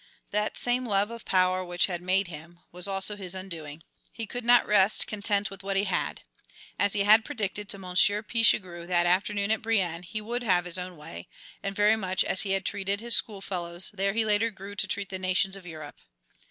That same love of power which had made him was also his undoing. He could not rest content with what he had. As he had predicted to Monsieur Pichegru that afternoon at Brienne he would have his own way, and very much as he had treated his schoolfellows there he later grew to treat the nations of Europe.